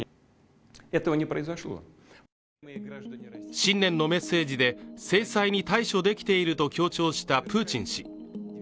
新年のメッセージで制裁に対処できていると強調したプーチン氏